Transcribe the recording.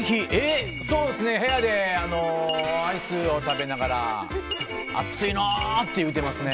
部屋でアイスを食べながら暑いなって言ってますね。